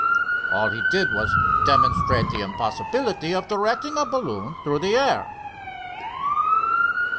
All he did was to demonstrate the impossibility of directing a balloon through the air."